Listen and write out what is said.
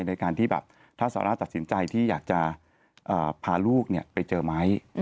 ในการที่แบบถ้าซาร่าตัดสินใจที่อยากจะพาลูกไปเจอไหม